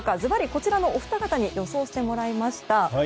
こちらのお二方に予想してもらいました。